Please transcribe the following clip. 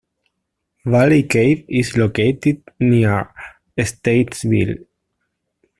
Valley Cave is located near Statesville.